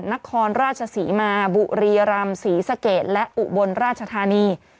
นครราชศรีมาบุรีรำศรีสะเกดและอุบลราชธานี